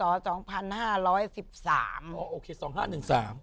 โอเค๒๕๑๓